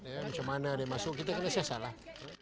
ya bagaimana dia masuk kita kena siasat lah